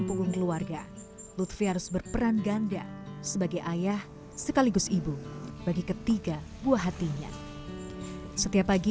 punggung keluarga lutfi harus berperan ganda sebagai ayah sekaligus ibu bagi ketiga buah hatinya setiap pagi